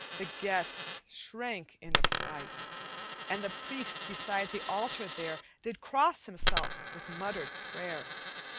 The guests shrank in affright, And the priest beside the altar there, Did cross himself with muttered prayer.